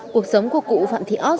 cuộc sống của cụ phạm thị ót